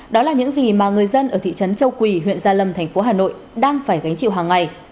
đó là những gì mà người dân ở thị trấn châu quỳ huyện gia lâm thành phố hà nội đang phải gánh chịu hàng ngày